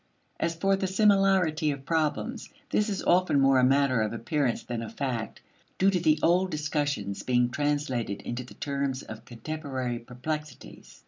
As for the similarity of problems, this is often more a matter of appearance than of fact, due to old discussions being translated into the terms of contemporary perplexities.